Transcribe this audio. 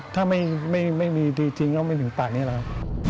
ถ้าไม่มีที่จริงก็ไม่ถึงปากนี้แล้ว